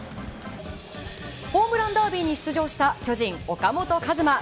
ホームランダービーに出場した巨人、岡本和真。